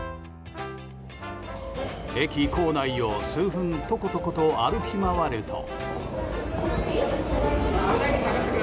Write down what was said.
駅構内を数分トコトコと歩き回ると。